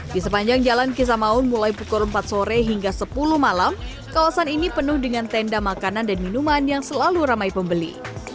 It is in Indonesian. di sepanjang jalan kisah maun mulai pukul empat sore hingga sepuluh malam kawasan ini penuh dengan tenda makanan dan minuman yang selalu ramai pembeli